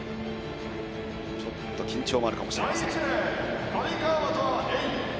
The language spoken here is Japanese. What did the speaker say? ちょっと緊張もあるかもしれません。